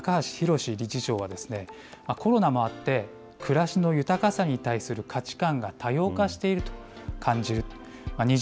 ＮＰＯ法人の高橋公理事長はコロナもあって、暮らしの豊かさに対する価値観が多様化していると感じると。